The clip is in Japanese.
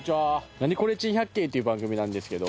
『ナニコレ珍百景』という番組なんですけど。